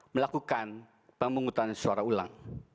melakukan pemungutan suara ulang